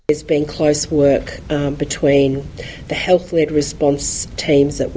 ada kerja rapat antara tim respons terhadap kesehatan